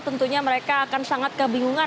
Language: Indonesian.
tentunya mereka akan sangat kebingungan